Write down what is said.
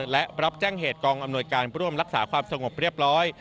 และรับแจ้งเหตุกองอำนวยการร่วมรักษาความสงบเรียบร้อย